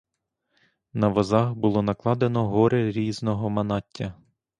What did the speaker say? На возах було накладено гори різного манаття.